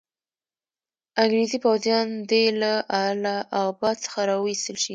انګریزي پوځیان دي له اله اباد څخه را وایستل شي.